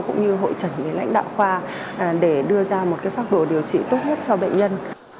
cũng như hội trần với lãnh đạo khoa để đưa ra một phác đồ điều trị tốt nhất cho bệnh nhân